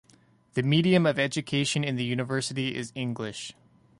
The medium of education in the university is English.